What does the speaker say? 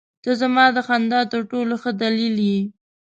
• ته زما د خندا تر ټولو ښه دلیل یې.